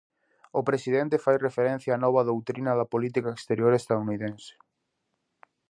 O presidente fai referencia á nova doutrina da política exterior estadounidense.